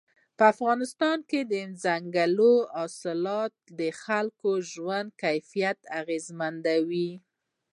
په افغانستان کې ځنګلي حاصلات د خلکو ژوند کیفیت اغېزمنوي.